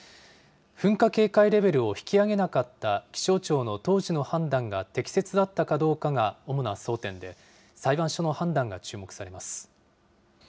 噴火警戒レベルを引き上げなかった気象庁の当時の判断が適切だったかどうかが主な争点で、裁判所の判断が注目されます。